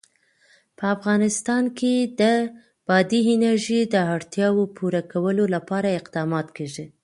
په افغانستان کې د بادي انرژي د اړتیاوو پوره کولو لپاره اقدامات کېږي.